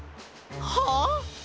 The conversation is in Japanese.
はあ！？